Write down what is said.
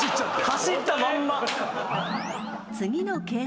走ったまんま。